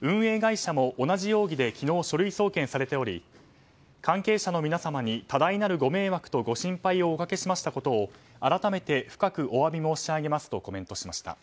運営会社も同じ容疑で昨日、書類送検されており関係者の皆様に多大なるご迷惑とご心配をおかけしましたことを改めて深くお詫び申し上げますとコメントしました。